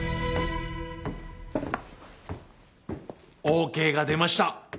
オーケーが出ました。